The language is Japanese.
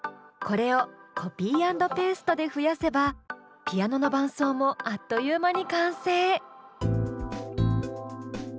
これをコピー＆ペーストで増やせばピアノの伴奏もあっという間に完成。